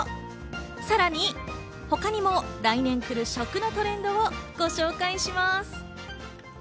さらに他にも来年くる食のトレンドをご紹介します。